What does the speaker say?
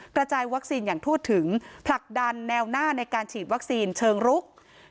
กระจายวัคซีนอย่างทั่วถึงผลักดันแนวหน้าในการฉีดวัคซีนเชิงรุก